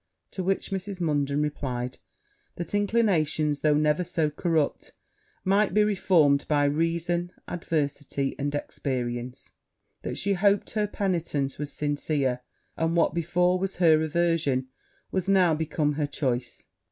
To which Mrs. Munden replied, that inclinations, though ever so corrupt, might be reformed by reason, adversity, and experience that she hoped her penitence was sincere and what before her was her aversion, was now become her choice.